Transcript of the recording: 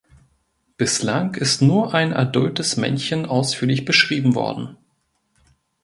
Bislang ist nur ein adultes Männchen ausführlich beschrieben worden.